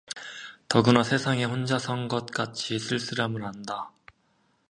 더구나 세상에 혼자 선 것 같이 쓸쓸함을 안다.